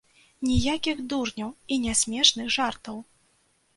Ніякіх дурняў і нясмешных жартаў!